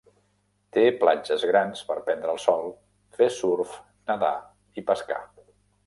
Té platges grans per prendre el sol, fer surf, nedar i pescar.